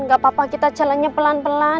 gak apa apa kita jalannya pelan pelan